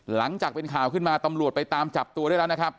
หลังจากเป็นข่าวขึ้นมาตำรวจไปตามจับตัวได้แล้วนะครับ